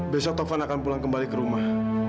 besok tovan akan pulang kembali ke rumah